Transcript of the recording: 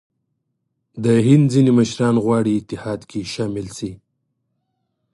د هند ځیني مشران غواړي اتحاد کې شامل شي.